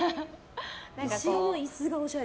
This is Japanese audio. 後ろの椅子がおしゃれ。